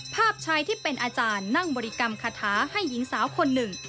ภาพชายที่เป็นอาจารย์นั่งบริกรรมคาถาให้หญิงสาวคนหนึ่ง